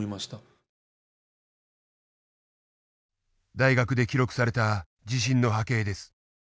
大学で記録された地震の波形です。